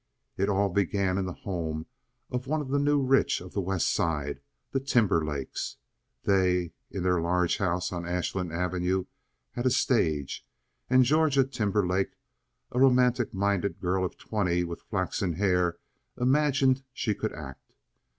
It all began in the home of one of the new rich of the West Side—the Timberlakes. They, in their large house on Ashland Avenue, had a stage, and Georgia Timberlake, a romantic minded girl of twenty with flaxen hair, imagined she could act.